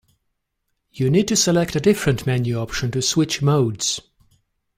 You need to select a different menu option to switch modes.